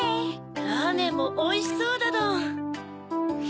ラーメンもおいしそうだどん！